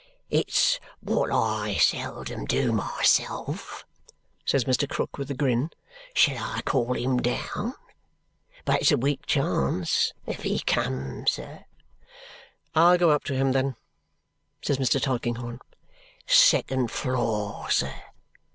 "It's what I seldom do myself," says Mr. Krook with a grin. "Shall I call him down? But it's a weak chance if he'd come, sir!" "I'll go up to him, then," says Mr. Tulkinghorn. "Second floor, sir.